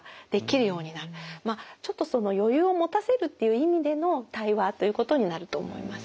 ちょっと余裕を持たせるっていう意味での対話ということになると思いますね。